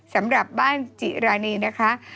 สำหรับบ้านจิรานีนะคะ